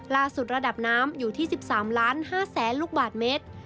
ระดับน้ำอยู่ที่๑๓๕๐๐๐ลูกบาทเมตร